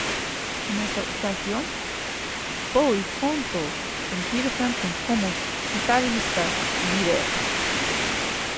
En esta ocasión Bowie contó con Peter Frampton como guitarrista líder.